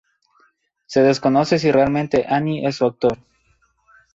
Se desconoce si realmente Ani es su autor.